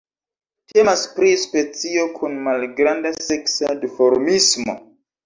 Temas pri specio kun malgranda seksa duformismo.